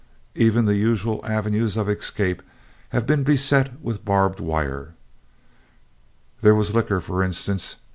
Even the usual avenues of escape have been beset with barbed wire. There was liquor, for instance.